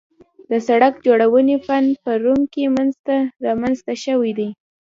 د سړک جوړونې فن په روم کې رامنځته شوی دی